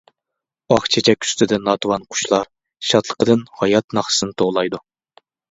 ئاق چېچەك ئۈستىدە ناتىۋان قۇشلار، شادلىقتىن ھايات ناخشىسى توۋلايدۇ.